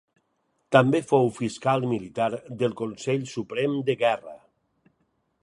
També fou fiscal militar del Consell Suprem de Guerra.